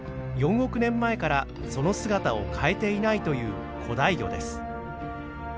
４億年前からその姿を変えていないという古代魚です。